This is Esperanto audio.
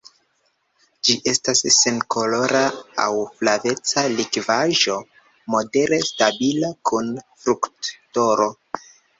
Ĝi estas senkolora aŭ flaveca likvaĵo modere stabila kun fruktodoro.